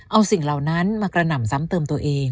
เอาสิ่งเหล่านั้นมากระหน่ำซ้ำเติมตัวเอง